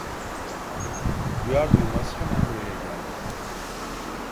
Duyar duymaz hemen buraya geldim.